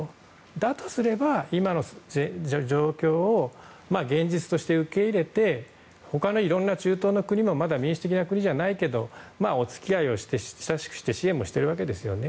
だとすれば、今の状況を現実として受け入れて他のいろんな中東の国も民主的な国ではないけどまあお付き合いをして親しくして支援もしてるわけですよね。